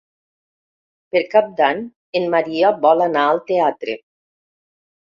Per Cap d'Any en Maria vol anar al teatre.